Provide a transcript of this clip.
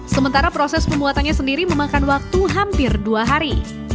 sementara proses pembuatannya sendiri memakan waktu hampir dua hari